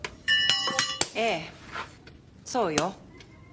ええそうよ。